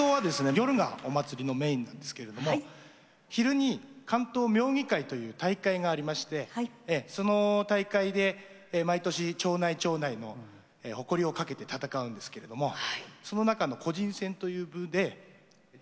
夜がおまつりのメインなんですけれども昼に竿燈妙技会という大会がありましてその大会で毎年町内町内の誇りを懸けて戦うんですけれどもその中の個人戦という部でちょっと優勝させて頂いたと。